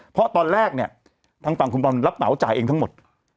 เพราะตอนแรกเนี่ยทางฝั่งคุณบอลรับเหมาจ่ายเองทั้งหมด